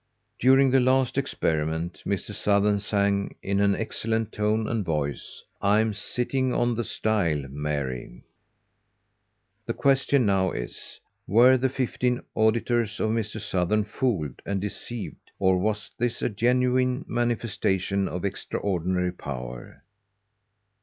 During the last experiment Mr. Sothern sang in an excellent tone and voice, "I'm Sitting on the Stile, Mary." The question now is, were the fifteen auditors of Mr. Sothern fooled and deceived, or was this a genuine manifestation of extraordinary power?